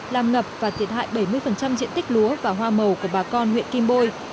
làm ngập và thiệt hại bảy mươi diện tích lúa và hoa màu của bà con huyện kim bôi